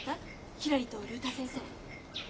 ひらりと竜太先生。